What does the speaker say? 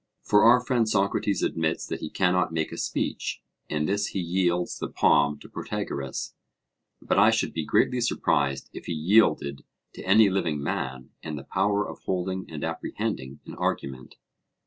For our friend Socrates admits that he cannot make a speech in this he yields the palm to Protagoras: but I should be greatly surprised if he yielded to any living man in the power of holding and apprehending an argument.